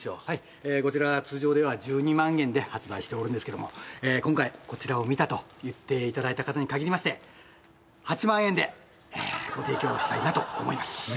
はいこちら通常では１２万円で発売しておるんですけども今回こちらを見たと言っていただいた方に限りまして８万円でご提供したいなと思います